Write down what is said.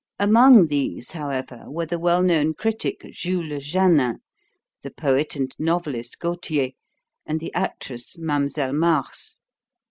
Among these, however, were the well known critic Jules Janin, the poet and novelist Gauthier, and the actress Mlle. Mars.